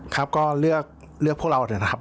ครับก็เลือกพวกเรานะครับ